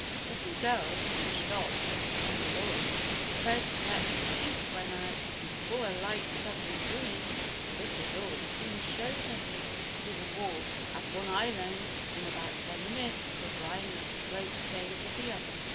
The two girls pushed off from the launch, Fred let the sheet run out and before a light southerly breeze, the little dory soon showed her heels to the wharf at one island and in about ten minutes was lying at the float stage of the other.